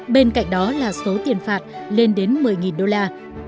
bên cạnh đó là số tiền phạt lên đến một mươi đô la